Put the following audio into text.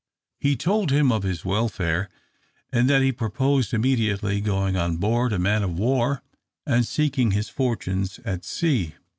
He told him of his welfare, and that he purposed immediately going on board a man of war, and seeking his fortunes at sea.